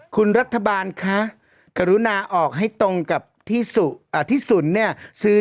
คุณรัฐบาลคะกรุณาออกให้ตรงกับที่ศูนย์เนี่ยซื้อ